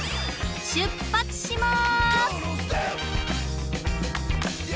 出発します！